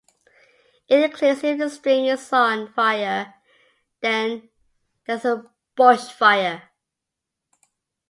It includes If the string is on fire then there is a bushfire.